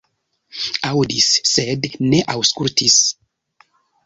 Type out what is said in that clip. Aŭdis, sed ne aŭskultis.